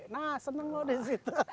nah seneng loh disitu